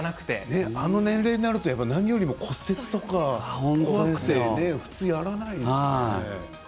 あの年齢になると何よりも骨折が怖くて普通やらないですよね。